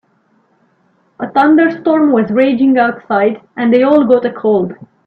A thunderstorm was raging outside and they all got a cold.